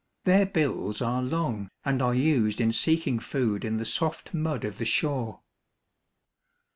Their bills are long and are used in seeking food in the soft mud of the shore.